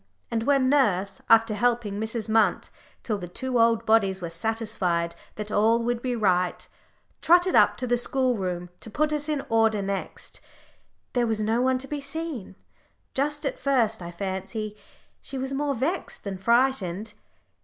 And when nurse, after helping Mrs. Munt till the two old bodies were satisfied that all would be right, trotted up to the schoolroom to put us in order next, there was no one to be seen! Just at first, I fancy, she was more vexed than frightened.